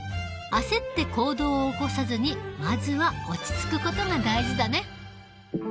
あせって行動を起こさずにまずは落ち着くことが大事だね。